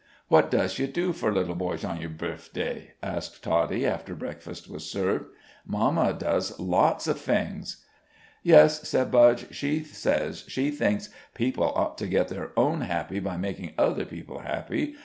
"What doesh you do for little boys on your bifeday?" asked Toddie, after breakfast was served. "Mamma does lots of fings." "Yes," said Budge, "she says she thinks people ought to get their own happy by makin' other people happy.